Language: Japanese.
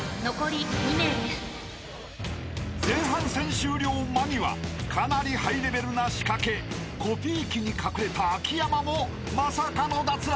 ［前半戦終了間際かなりハイレベルな仕掛けコピー機に隠れた秋山もまさかの脱落］